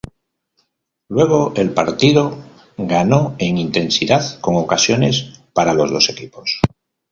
Luego el partido ganó en intensidad con ocasiones para los dos equipos.